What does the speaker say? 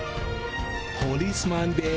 ポリスマンです。